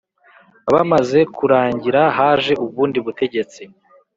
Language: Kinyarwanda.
bamaze kurangira haje ubundi butegetsi